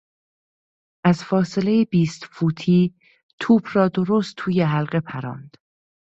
از فاصلهی بیست فوتی توپ را درست توی حلقه پراند.